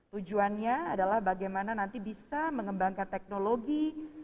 tujuannya adalah bagaimana nanti bisa mengembangkan teknologi